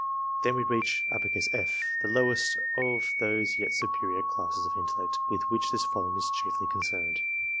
Then we reach F, the lowest of those yet superior classes of intellect, with which this volume is chiefly concerned.